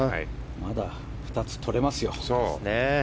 まだ２つとれますよ。